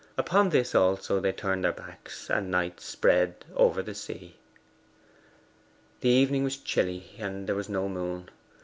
Upon this also they turned their backs, and night spread over the sea. The evening was chilly, and there was no moon.